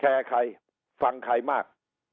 จะต้องไปแข่ใครฟังใครมาก